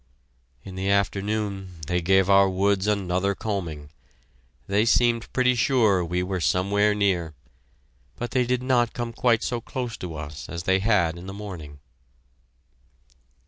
In the afternoon they gave our woods another combing. They seemed pretty sure we were somewhere near! But they did not come quite so close to us as they had in the morning.